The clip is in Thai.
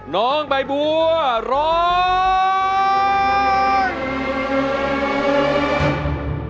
น้องใบบัวร้อง